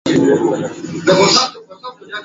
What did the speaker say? ee kanali gaddafi bali inatetekeleza tu azimio